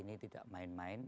ini tidak main main